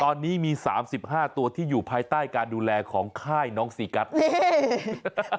ตอนนี้มี๓๕ตัวที่อยู่ภายใต้การดูแลของค่ายน้องซีกัสนี่